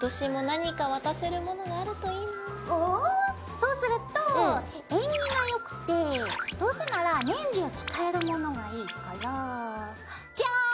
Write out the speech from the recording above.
そうすると縁起がよくてどうせなら年中使えるものがいいからじゃん！